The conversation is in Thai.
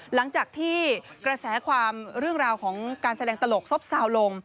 หลังจากที่กระแสความเรื่องราวของการแสดงตลกซบซาวนลง